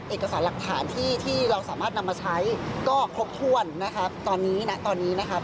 เอกสารหลักฐานที่ที่เราสามารถนำมาใช้ก็ครบถ้วนนะครับตอนนี้ณตอนนี้นะครับ